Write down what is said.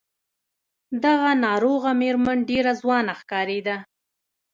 دغه ناروغه مېرمن ډېره ځوانه ښکارېده.